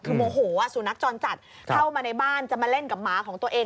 คือโมโหสุนัขจรจัดเข้ามาในบ้านจะมาเล่นกับหมาของตัวเอง